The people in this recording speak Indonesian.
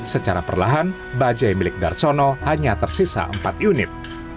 secara perlahan bajai milik darsono hanya tersisa empat unit